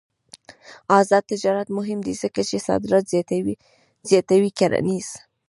آزاد تجارت مهم دی ځکه چې صادرات زیاتوي کرنيز.